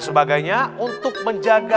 sebagainya untuk menjaga